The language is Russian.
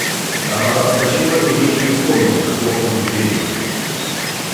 Тамара вскочила и вышла из комнаты, хлопнув дверью.